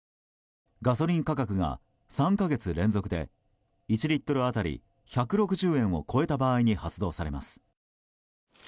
ガソリン価格が３か月連続で１リットル当たり１６０円を超えた場合に発動されます。